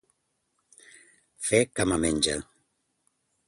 Fer cama menga.